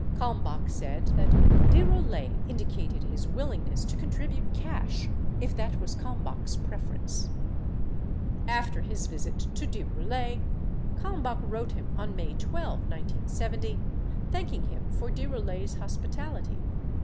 Kalmbach said that De Roulet indicated his willingness to con tribute cash if that was Kalmbach's preference. After his visit, to De Roulet, Kalmbach wrote him on May 12, 1970, thanking him for De Roulet's hospitality.